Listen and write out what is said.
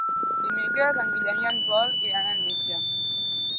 Dimecres en Guillem i en Pol iran al metge.